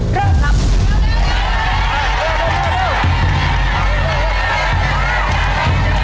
เริ่มครับ